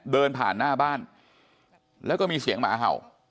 เดินผ่านหน้าบ้านแล้วก็มีเสียงหมาเห่า